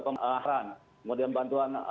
pemerintahan kemudian bantuan